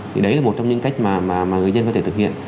thì đấy là một trong những cách mà người dân có thể thực hiện